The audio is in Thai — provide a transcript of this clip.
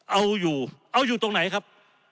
เอาอยู่เอาอยู่ตรงไหนครับ